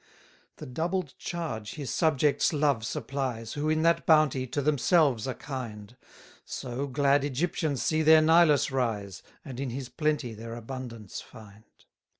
46 The doubled charge his subjects' love supplies, Who, in that bounty, to themselves are kind: So glad Egyptians see their Nilus rise, And in his plenty their abundance find.